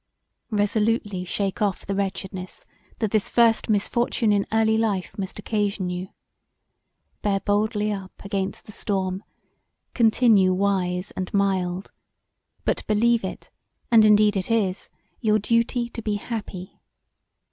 Resolutely shake of[f] the wretchedness that this first misfortune in early life must occasion you. Bear boldly up against the storm: continue wise and mild, but believe it, and indeed it is, your duty to be happy.